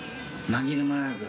紛れもなく。